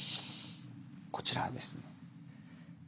こちらですね。